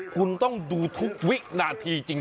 คุณต้องดูทุกวินาทีจริง